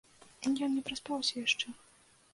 Ён не праспаўся яшчэ.